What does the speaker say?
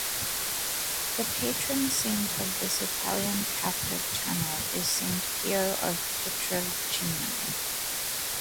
The patron saint of this Italian Catholic channel is Saint Pio of Pietrelcina.